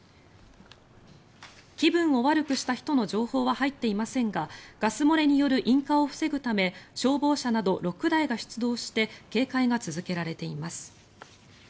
気分を悪くした人の情報は入っていませんがガス漏れによる引火を防ぐため消防車など６台が出動して警戒が続けられています。